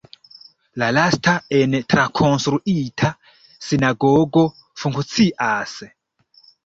La lasta en trakonstruita sinagogo funkcias.